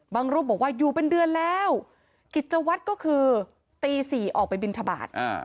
รูปบอกว่าอยู่เป็นเดือนแล้วกิจวัตรก็คือตี๔ออกไปบินทบาท